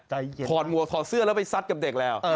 ถอดหมวกถอดเสื้อแล้วไปซัดกับเด็กแล้ว